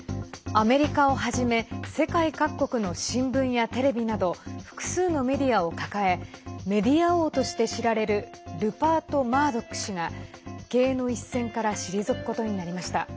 アメリカをはじめ世界各国の新聞やテレビなど複数のメディアを抱えメディア王として知られるルパート・マードック氏が経営の一線から退くことになりました。